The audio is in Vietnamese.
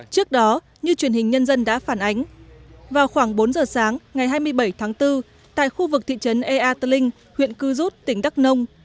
trước đó như truyền hình nhân dân đã phản ánh vào khoảng bốn giờ sáng ngày hai mươi bảy tháng bốn tại khu vực thị trấn ea tờ linh huyện cư rút tỉnh đắk nông